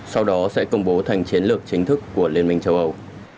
sau đó sẽ công bố thành chiến lược chính thức của liên minh châu âu